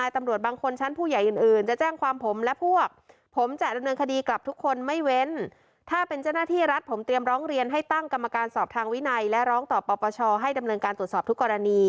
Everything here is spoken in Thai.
ทธนาฬิการปฏิบัติหน้าที่ตามประโมนกฎหมายอายามมาตรา๑๕๗